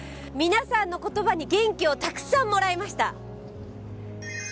皆さんの言葉に元気をたくさんもらいました。